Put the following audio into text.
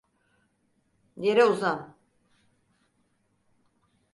Yere uzan.